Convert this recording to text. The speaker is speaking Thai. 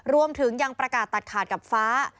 รวมถึงยังประกาศตัดขาดกับฟ้า